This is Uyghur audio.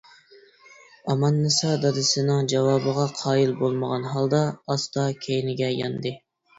ئاماننىسا دادىسىنىڭ جاۋابىغا قايىل بولمىغان ھالدا ئاستا كەينىگە ياندى.